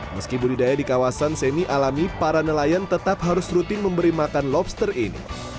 meski budidaya di kawasan semi alami para nelayan tetap harus rutin memberi makan lobster ini